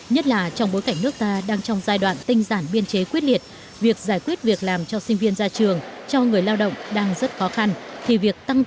nhất là trong bối cảnh nước ta đang trong giai đoạn tinh giản biên chế quyết liệt việc giải quyết việc làm cho sinh viên ra trường cho người lao động đang rất khó khăn